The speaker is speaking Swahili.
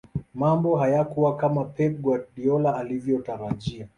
mambo hayakuwa kama pep guardiola alivyotarajia